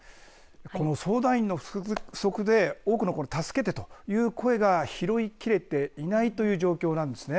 この相談員の不足で多くの助けてという声が拾いきれていないという状況なんですね。